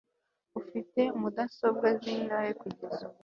ufite mudasobwa zingahe kugeza ubu